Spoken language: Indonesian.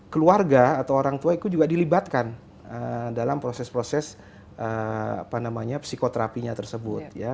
keluarga atau orang tua itu juga dilibatkan dalam proses proses psikoterapinya tersebut